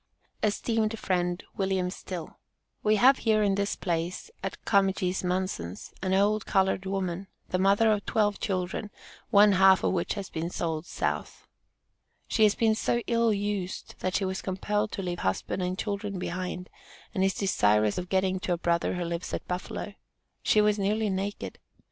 ESTEEMED FRIEND WILLIAM STILL: We have here in this place, at Comegys Munson's an old colored woman, the mother of twelve children, one half of which has been sold South. She has been so ill used, that she was compelled to leave husband and children behind, and is desirous of getting to a brother who lives at Buffalo. She was nearly naked.